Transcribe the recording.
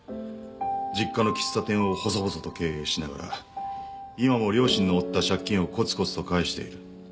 実家の喫茶店をほそぼそと経営しながら今も両親の負った借金をこつこつと返している。